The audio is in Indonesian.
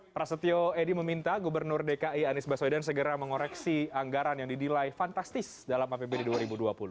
prasetyo edy meminta gubernur dki anies baswedan segera mengoreksi anggaran yang didilai fantastis dalam apbd dua ribu dua puluh